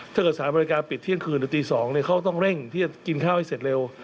ถ้าเกิดสถานบริการปิดเที่ยงคืนหรือตีสองเนี่ยเขาก็ต้องเร่งที่จะกินข้าวให้เสร็จเร็ว